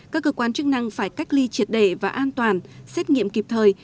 các cơ quan chức năng phải cách ly triệt để và an toàn xét nghiệm kịp thời